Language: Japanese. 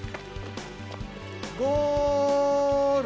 ゴール！